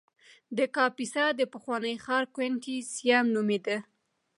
د کاپیسا د پخواني ښار کوینټیسیم نومېده